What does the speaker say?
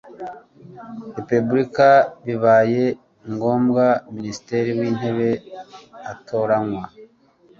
Repubulika bibaye ngombwa Minisitiri w Intebe atoranywa